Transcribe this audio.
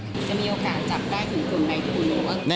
จะมีโอกาสจับได้ถึงกลุ่มในทุนหรือเปล่า